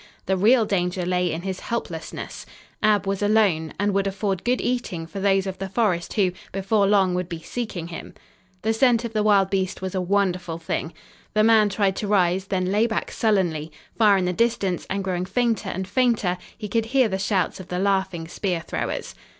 The real danger lay in his helplessness. Ab was alone, and would afford good eating for those of the forest who, before long, would be seeking him. The scent of the wild beast was a wonderful thing. The man tried to rise, then lay back sullenly. Far in the distance, and growing fainter and fainter, he could hear the shouts of the laughing spear throwers.